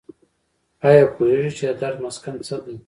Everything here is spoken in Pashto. ایا پوهیږئ چې درد مسکن څه دي؟